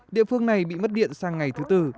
địa phương này bị mất điện sang ngày thứ tư